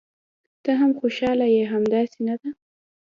ته هم خوشاله یې، همداسې نه ده؟